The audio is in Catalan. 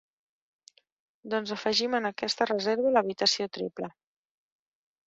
Doncs afegim en aquesta reserva l'habitació triple.